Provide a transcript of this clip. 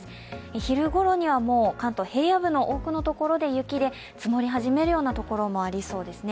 昼ごろには関東平野部の多くのところで雪で積もり始めるようなところもありそうですね。